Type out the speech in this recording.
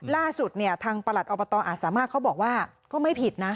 ล่าสุดเนี่ยทางประหลัดอบตอาจสามารถเขาบอกว่าก็ไม่ผิดนะ